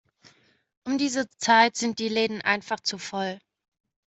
Um diese Zeit sind die Läden einfach zu voll.